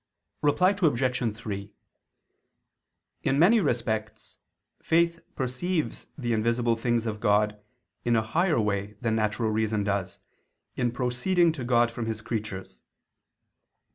Reply Obj. 3: In many respects faith perceives the invisible things of God in a higher way than natural reason does in proceeding to God from His creatures.